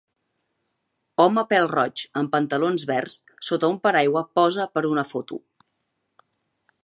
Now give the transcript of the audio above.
Home pèl-roig amb pantalons verds sota un paraigua posa per una foto.